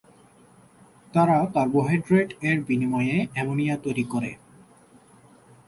তারা কার্বোহাইড্রেট এর বিনিময়ে অ্যামোনিয়া তৈরি করে।